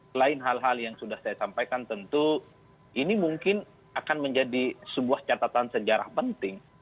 selain hal hal yang sudah saya sampaikan tentu ini mungkin akan menjadi sebuah catatan sejarah penting